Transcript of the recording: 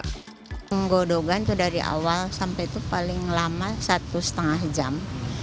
penggodokan itu dari awal sampai itu paling lama satu lima jam